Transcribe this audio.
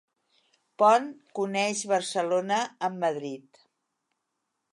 Pont que uneix Barcelona amb Madrid.